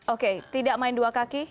oke tidak main dua kaki